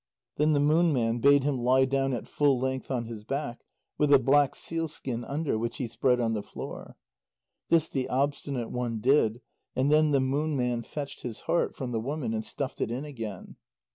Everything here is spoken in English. Then the Moon Man bade him lie down at full length on his back, with a black sealskin under, which he spread on the floor. This the Obstinate One did, and then the Moon Man fetched his heart from the woman and stuffed it in again.